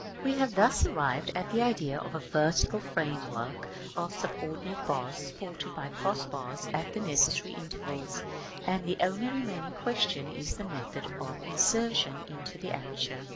§ IX. We have thus arrived at the idea of a vertical frame work of subordinated bars, supported by cross bars at the necessary intervals, and the only remaining question is the method of insertion into the aperture.